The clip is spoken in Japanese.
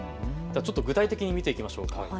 具体的に見ていきましょうか。